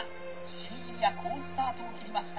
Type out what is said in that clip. シーギリア好スタートを切りました。